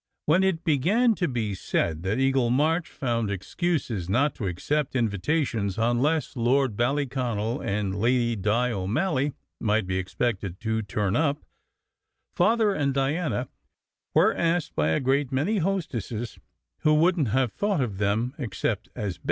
When it began to be said that Eagle March found excuses not to accept invitations unless Lord Ballyconal and Lady Di O Malley might be expected to turn up, Father and Diana were asked by a great many hostesses who wouldn t have thought of them except as bait.